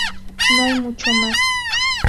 No hay mucho más’.